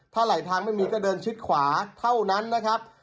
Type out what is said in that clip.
ถ้าไหลทางไม่มีก็เดินชิดขวาเท่านั้นนะครับ